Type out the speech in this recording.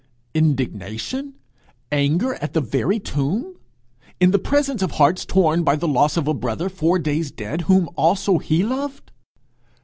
Indignation anger at the very tomb! in the presence of hearts torn by the loss of a brother four days dead, whom also he loved!